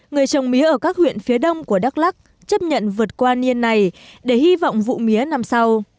người trồng mía ở các huyện phía đông của đắk lắc chấp nhận vượt qua niên này để hy vọng vụ mía năm sau